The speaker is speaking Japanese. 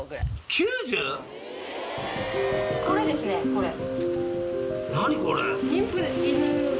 これですねこれ。